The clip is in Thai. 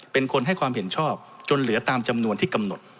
เป็นคนให้ความเห็นชอบจนเหลือตามจำนวนที่กำหนด